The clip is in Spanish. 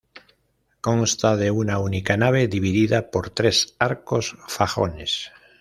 Consta de una única nave, dividida por tres arcos fajones.